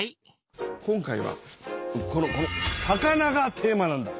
今回はこのこの「魚」がテーマなんだ。